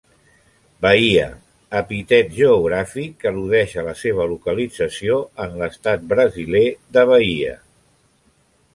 Bahia epítet geogràfic que al·ludeix a la seva localització en l'estat brasiler de Bahia.